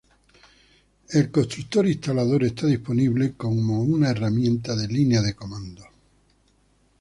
El constructor instalador está disponible como una herramienta de línea de comandos.